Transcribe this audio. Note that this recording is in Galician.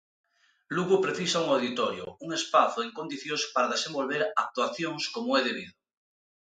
Lugo precisa un auditorio, un espazo en condicións para desenvolver actuacións como é debido.